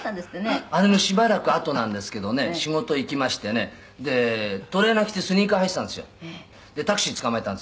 「あれのしばらくあとなんですけどね仕事行きましてねトレーナー着てスニーカー履いていたんですよ」